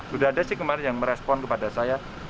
sudah ada sih kemarin yang merespon kepada saya